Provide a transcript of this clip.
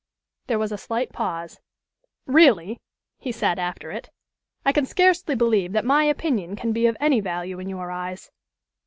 There was a slight pause. "Really," he said, after it, "I can scarcely believe that my opinion can be of any value in your eyes.